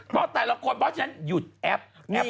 ป่ะแต่ละคนป่ะฉันหยุดแอพ